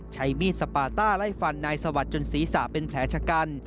ใช้มีดสปาต้าไล่ฟันนายสวัสดิ์จนศีรษะเป็นแผลชะกัน